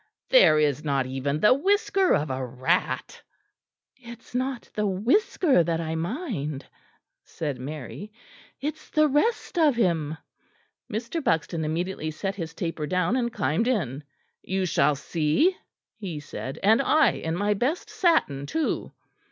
There is not even the whisker of a rat." "It is not the whisker that I mind," said Mary, "it is the rest of him." Mr. Buxton immediately set his taper down and climbed in. "You shall see," he said, "and I in my best satin too!"